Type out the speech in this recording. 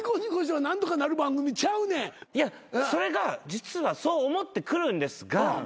いやそれが実はそう思って来るんですが